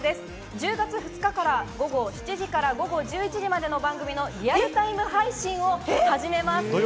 １０月２日から午後７時から午後１１時までの番組のリアルタイム配信を始めます。